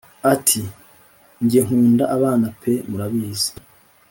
ati: jye nkunda abana pe murabizi.